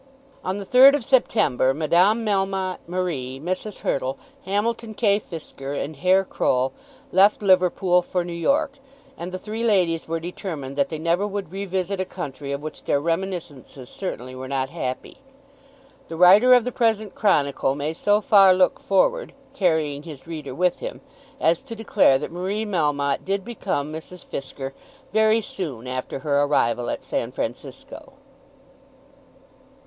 On the 3rd of September Madame Melmotte, Marie, Mrs. Hurtle, Hamilton K. Fisker, and Herr Croll left Liverpool for New York; and the three ladies were determined that they never would revisit a country of which their reminiscences certainly were not happy. The writer of the present chronicle may so far look forward, carrying his reader with him, as to declare that Marie Melmotte did become Mrs. Fisker very soon after her arrival at San Francisco.